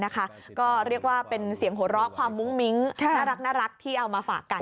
ก็เรียกว่าเป็นเสียงหัวเราะความมุ้งมิ้งน่ารักที่เอามาฝากกัน